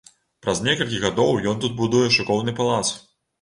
Праз некалькі гадоў ён тут будуе шыкоўны палац.